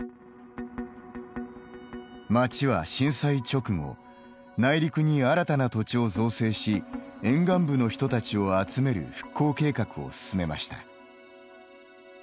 町は震災直後内陸に新たな土地を造成し沿岸部の人たちを集める復興計画を進めました。